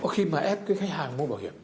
khi mà ép khách hàng mua bảo hiểm